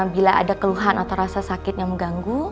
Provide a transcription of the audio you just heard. bila ada keluhan atau rasa sakit yang mengganggu